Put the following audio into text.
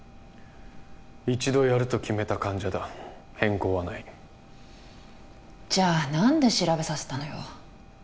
一度やると決めた患者だ変更はないじゃあ何で調べさせたのよ？